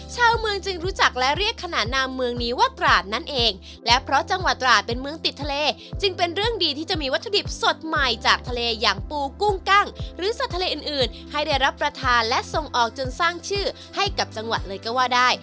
ชาวเมืองจึงรู้จักและเรียกขนานนามเมืองนี้ว่าตราดนั่นเองและเพราะจังหวัดตราดเป็นเมืองติดทะเลจึงเป็นเรื่องดีที่จะมีวัตถุดิบสดใหม่จากทะเลอย่างปูกุ้งกั้งหรือสัตว์ทะเลอื่นอื่นให้ได้รับประทานและส่งออกจนสร้างชื่อให้กับจังหวัดเลยก็ว่าได้